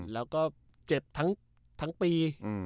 แล้วก็เจ็บทั้งปี